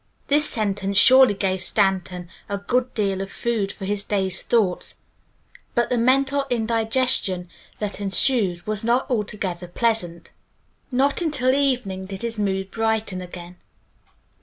This sentence surely gave Stanton a good deal of food for his day's thoughts, but the mental indigestion that ensued was not altogether pleasant. Not until evening did his mood brighten again.